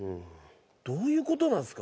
どういう事なんですか？